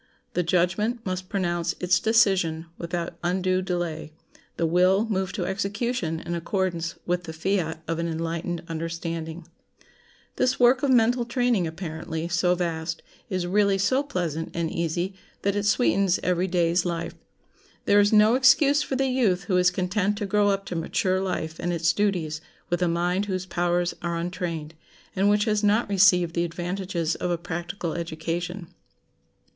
The judgment must pronounce its decision without undue delay; the will move to execution in accordance with the fiat of an enlightened understanding. This work of mental training, apparently so vast, is really so pleasant and easy that it sweetens every day's life. There is no excuse for the youth who is content to grow up to mature life and its duties with a mind whose powers are untrained, and which has not received the advantages of a practical education.